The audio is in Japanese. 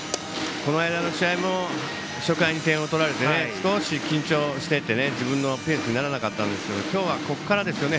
この間の試合も初回に点を取られて緊張をしてて自分のペースにならなかったんですけど今日はここからですね。